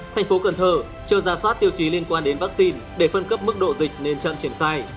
thành phố cần thơ chưa ra soát tiêu chí liên quan đến vaccine để phân cấp mức độ dịch nên chậm triển khai